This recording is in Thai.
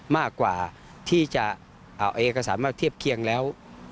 มากกว่าที่จะเอาเอกสารมาเทียบเคียงแล้ว